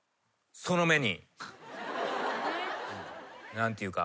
何ていうか。